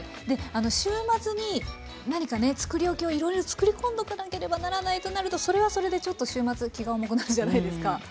で週末に何かね作り置きをいろいろ作り込んどかなければならないとなるとそれはそれでちょっと週末気が重くなるじゃないですか。